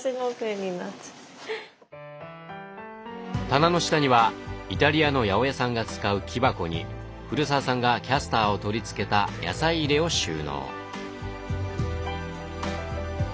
棚の下にはイタリアの八百屋さんが使う木箱に古澤さんがキャスターを取り付けた野菜入れを収納。